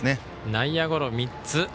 内野ゴロ３つ。